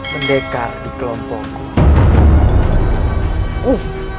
pendekar di kelompokku